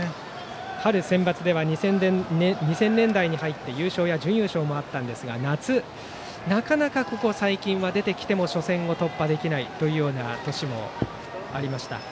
春センバツでは２０００年代に入って優勝や準優勝もありますがあったんですが夏、なかなかここ最近は出てきても初戦を突破できない年もありました。